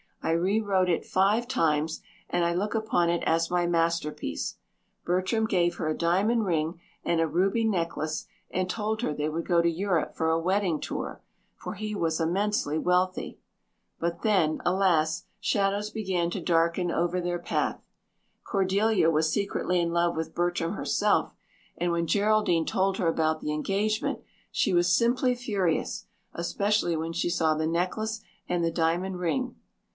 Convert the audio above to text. I rewrote it five times and I look upon it as my masterpiece. Bertram gave her a diamond ring and a ruby necklace and told her they would go to Europe for a wedding tour, for he was immensely wealthy. But then, alas, shadows began to darken over their path. Cordelia was secretly in love with Bertram herself and when Geraldine told her about the engagement she was simply furious, especially when she saw the necklace and the diamond ring.